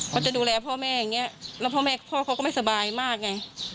เขาจะดูแลพ่อแม่อย่างนี้แล้วพ่อแม่พ่อเขาก็ไม่สบายมากไง